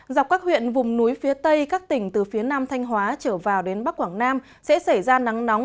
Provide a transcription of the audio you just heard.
dọc các huyện vùng núi phía tây các tỉnh từ phía nam thanh hóa trở vào đến bắc quảng nam sẽ xảy ra nắng nóng